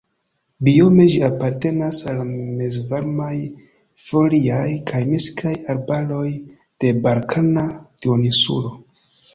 Biome ĝi apartenas al mezvarmaj foliaj kaj miksaj arbaroj de Balkana Duoninsulo.